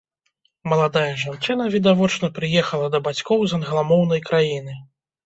Маладая жанчына, відавочна, прыехала да бацькоў з англамоўнай краіны.